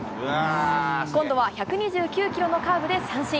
今度は１２９キロのカーブで三振。